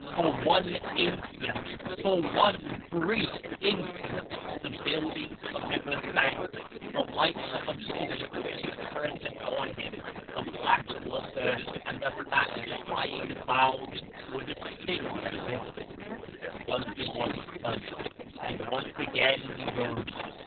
For one instant for one brief instant the buildings on the river's banks, the lights on the bridge through which the current had borne him, the black water, and the fast flying clouds, were distinctly visible once more he sunk, and once again he rose.